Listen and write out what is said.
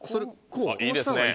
いいですね。